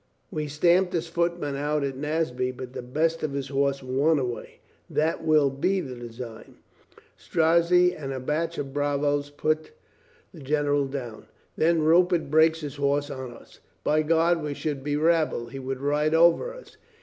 We stamped his footmen out at Naseby, but the best of his horse won away. That will be the design. Strozzi and a batch of bravos put the 338 COLONEL GREATHEART generals down. Then Rupert breaks his horse on us. By God, we should be rabble. He would ride over us."